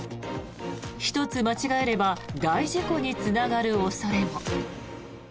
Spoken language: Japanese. １つ間違えれば大事故につながる恐れも。